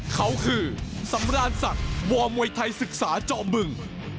เขาคือสำราญสักวอร์มไวทัยศึกษาจอมเบิ่ง